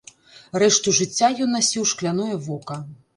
Рэшту жыцця ён насіў шкляное вока.